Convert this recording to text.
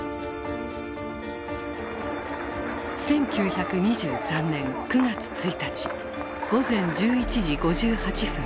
１９２３年９月１日午前１１時５８分。